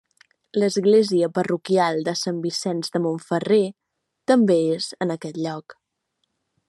L'església parroquial de Sant Vicenç de Montferrer també és en aquest lloc.